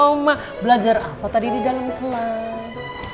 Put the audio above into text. oma belajar apa tadi di dalam kelas